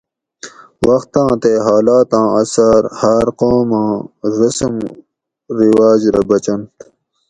وختاں تے حالاتاں اثار ھاۤر قوماں رسم رواج رہ بچنت